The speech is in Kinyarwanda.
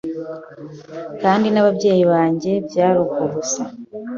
kandi n’ ababyeyi banjye byari uko gusa